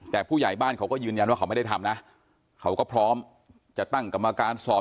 แต่ผู้ใหญ่บ้านเขาก็ยืนยันว่าเขาไม่ได้ทำนะเขาก็พร้อมจะตั้งกรรมการสอบ